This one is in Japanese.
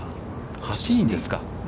８人ですか。